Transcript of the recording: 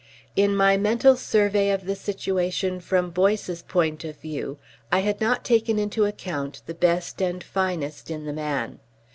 In my mental survey of the situation from Boyce's point of view I had not taken into account the best and finest in the man.